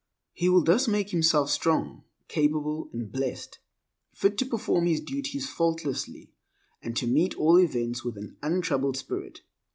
He will thus make himself strong, capable, and blessed, fit to perform his duties faultlessly, and to meet all events with an untroubled spirit.